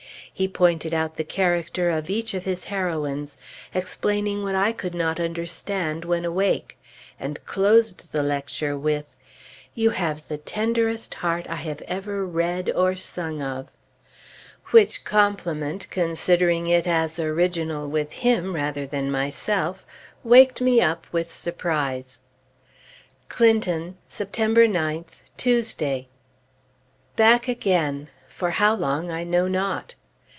He pointed out the character of each of his heroines, explaining what I could not understand when awake; and closed the lecture with "You have the tenderest heart I have ever read, or sung of" which compliment, considering it as original with him, rather than myself, waked me up with surprise. CLINTON, September 9th, Tuesday. Back again! For how long, I know not.